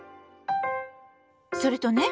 それとね